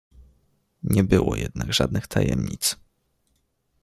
"Nie było jednak żadnych tajemnic."